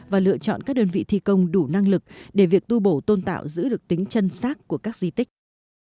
và lựa chọn các đơn vị thi công đủ năng lực để việc tu bổ tôn tạo giữ được tính chân sát của các di tích